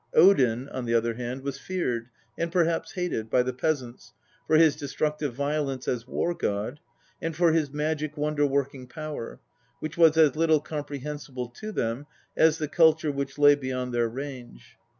Odin, on the other hand, was feared, and perhaps hated, by the peasants for his destructive violence as war god, and for his magic wonder working power, which was as little comprehensible to them as the culture which lay beyond their range.